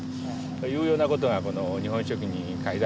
いうようなことがこの「日本書紀」に書いてありますね。